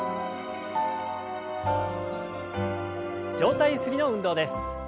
上体ゆすりの運動です。